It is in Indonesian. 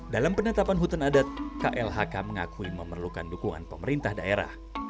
dalam penetapan hutan adat klhk mengakui memerlukan dukungan pemerintah daerah